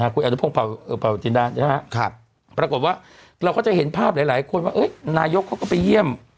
คุณอนุพงศ์เผาจินดาใช่ไหมปรากฏว่าเราก็จะเห็นภาพหลายคนว่านายกเขาก็ไปเยี่ยม